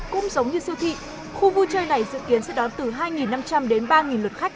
cũng giống như siêu thị khu vui chơi này dự kiến sẽ đón từ hai năm trăm linh đến ba lượt khách